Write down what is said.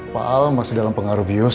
pak al masih dalam pengaruh bius